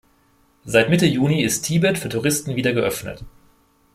Seit Mitte Juni ist Tibet für Touristen wieder geöffnet.